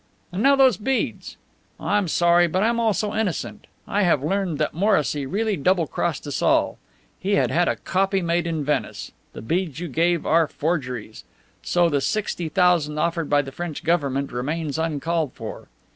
And now those beads. I'm sorry, but I'm also innocent. I have learned that Morrissy really double crossed us all. He had had a copy made in Venice. The beads you have are forgeries. So the sixty thousand offered by the French Government remains uncalled for.